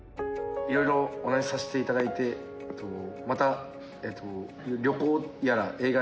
いろいろお話しさせていただいてまた。